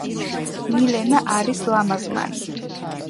მილენა არის ლამაზმანი